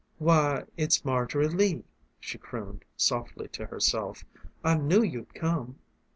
"Why it's Margery Lee," she crooned softly to herself. "I knew you'd come."